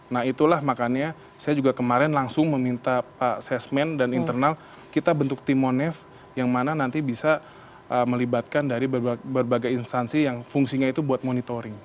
nah itulah makanya saya juga kemarin langsung meminta pak sesmen dan internal kita bentuk timonef yang mana nanti bisa melibatkan dari berbagai instansi yang fungsinya itu buat monitoring